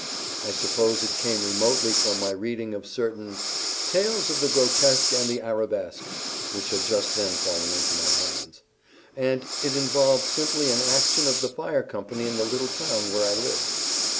I suppose it came remotely from my reading of certain "Tales of the Grotesque and the Arabesque," which had just then fallen into my hands; and it involved simply an action of the fire company in the little town where I lived.